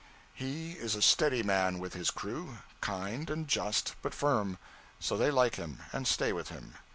He is a steady man with his crew; kind and just, but firm; so they like him, and stay with him.